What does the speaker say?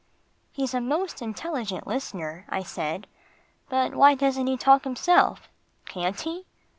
"He's a most intelligent listener," I said, "but why doesn't he talk himself? Can't he?"